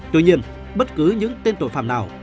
tuy nhiên bất cứ những tên tội phạm nào